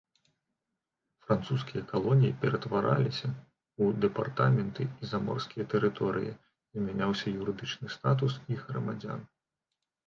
Французскія калоніі ператвараліся ў дэпартаменты і заморскія тэрыторыі, змяняўся юрыдычны статус іх грамадзян.